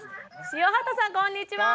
塩畑さんこんにちは。